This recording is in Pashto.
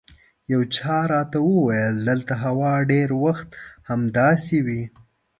یو چا راته وویل دلته هوا ډېر وخت همداسې وي.